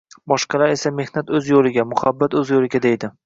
Boshqalar esa mehnat o‘z yo‘liga, muhabbat o'z yo'liga deydi.